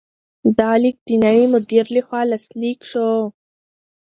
دا لیک د نوي مدیر لخوا لاسلیک شو.